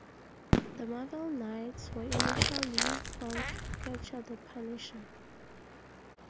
The Marvel Knights were initially formed to capture the Punisher.